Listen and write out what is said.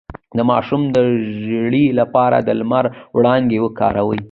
د ماشوم د ژیړي لپاره د لمر وړانګې وکاروئ